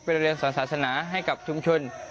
เป็นโรงเรียนสอนศาสนาให้กับชุมชน